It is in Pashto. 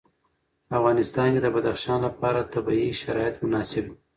په افغانستان کې د بدخشان لپاره طبیعي شرایط مناسب دي.